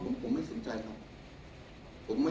ผมไม่สนใจครับ